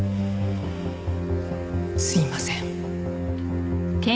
すいません。